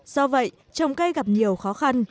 do vậy trồng cây gặp nhiều khó khăn